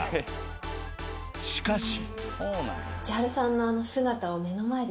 ［しかし］